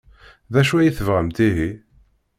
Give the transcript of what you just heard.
D acu ay tebɣamt ihi?